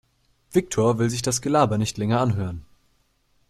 Viktor will sich das Gelaber nicht länger anhören.